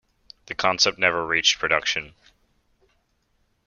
The concept never reached production.